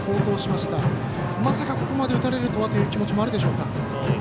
まさかここまで打たれるとはという気持ちもあるでしょうか。